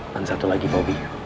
dan satu lagi bobby